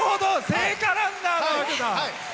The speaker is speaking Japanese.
聖火ランナーなわけだ！